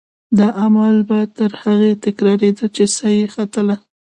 دا عمل به تر هغې تکرارېده چې سا یې ختله.